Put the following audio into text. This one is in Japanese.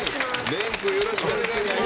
れんくんよろしくお願いします。